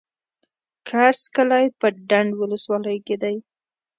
کرز کلی په ډنډ ولسوالۍ کي دی.